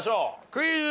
クイズ。